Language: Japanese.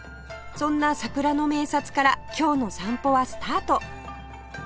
そんな桜の名刹から今日の散歩はスタート